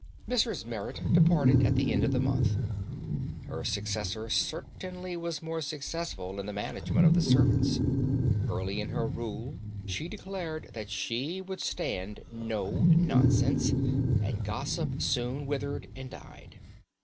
Mrs. Merrit departed at the end of the month. Her successor certainly was more successful in the management of the servants. Early in her rule she declared that she would stand no nonsense, and gossip soon withered and died.